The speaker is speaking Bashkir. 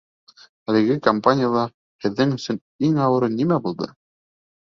Әлеге кампанияла һеҙҙең өсөн иң ауыры нимә булды?